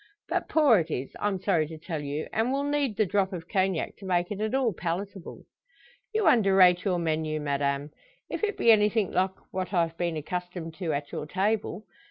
But poor it is I'm sorry to tell you and will need the drop of Cognac to make it at all palatable." "You underrate your menu, madame; if it be anything like what I've been accustomed to at your table.